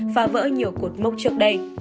phá vỡ nhiều cột mốc trực